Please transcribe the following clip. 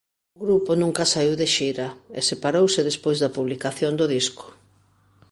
O grupo nunca saíu de xira e separouse despois da publicación do disco.